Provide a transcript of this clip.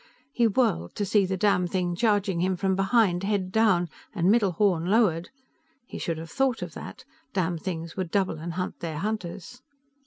He whirled, to see the damnthing charging him from behind, head down, and middle horn lowered. He should have thought of that; damnthings would double and hunt their hunters.